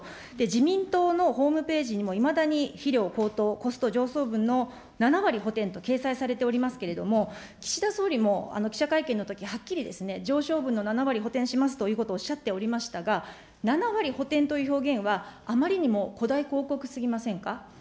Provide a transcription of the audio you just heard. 自民党のホームページにも、いまだに肥料高騰、コスト上昇分の７割補填と掲載されていますけれども、岸田総理も記者会見のとき、はっきり上昇分の７割補填しますということを、おっしゃっておりましたが、７割補填という表現は、あまりにも誇大広告すぎませんか。